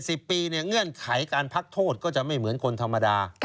สิบปีเนี่ยเงื่อนไขการพักโทษก็จะไม่เหมือนคนธรรมดา